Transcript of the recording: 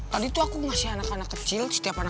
tadi tuh aku ngasih anak anak kecil setiap hari